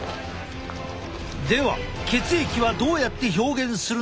では血液はどうやって表現するのかというと。